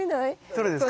どれですか？